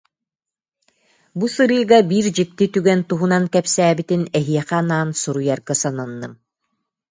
Бу сырыыга биир дьикти түгэн туһунан кэпсээбитин эһиэхэ анаан суруйарга сананным